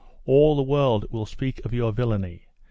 all the world will speak of your villainy.